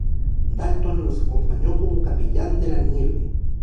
Dalton los acompañó como capellán de la nave.